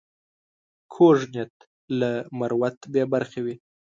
کوږ نیت له مروت بې برخې وي